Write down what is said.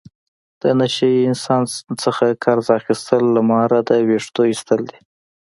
د نشه یي انسان نه قرض اخستل له ماره د وېښتو ایستل دي.